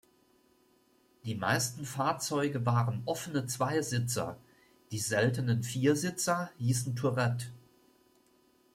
Die meisten Fahrzeuge waren offene Zweisitzer, die seltenen Viersitzer hießen Tourette.